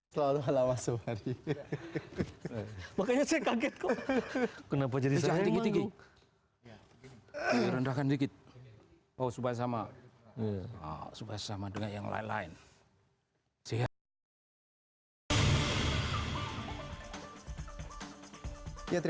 selalu halamah sobari